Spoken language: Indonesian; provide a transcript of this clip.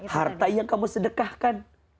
harta yang kamu sedekahkan